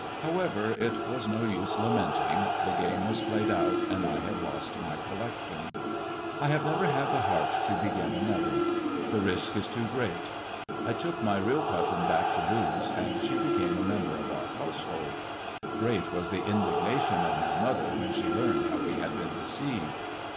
However, it was no use lamenting ; the game was played out, and I had lost my collection. I have never Lad the heart to begin another. The risk is too great, I took my real cousin back to Lewes, and 886 MY COUSIN FROM FRANCE she became a member of our household. Great was the indignation of my mother when she learned how we bad been deceived.